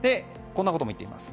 こんなことも言っています。